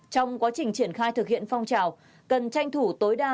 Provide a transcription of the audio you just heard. trong quá trình triển khai thực hiện phong trào cần tranh thủ tối đa